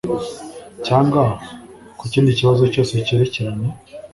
cyangwa ku kindi kibazo cyose cyerekeranye